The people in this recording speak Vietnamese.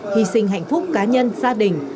hy sinh hạnh phúc cá nhân gia đình